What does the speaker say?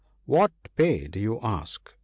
4 What pay do you ask ?